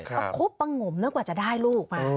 เขาครบปังงมแล้วกว่าจะได้ลูก